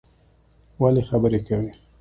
ولی خبری کوی